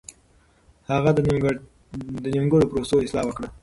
هغه د نيمګړو پروسو اصلاح وکړه.